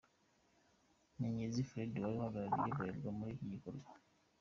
Nyagezi Freddy wari uhagarariye Bralirwa muri iki gikorwa.